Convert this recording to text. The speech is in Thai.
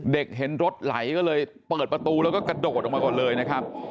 เห็นรถไหลก็เลยเปิดประตูแล้วก็กระโดดออกมาก่อนเลยนะครับ